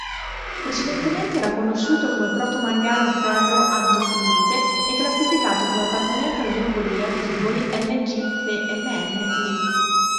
Precedentemente era conosciuto come protomangano-ferro-anthophyllite e classificato come appartenente al gruppo degli anfiboli Mg-Fe-Mn-Li.